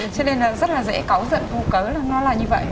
cho nên là rất là dễ cáu giận vô cớ là nó là như vậy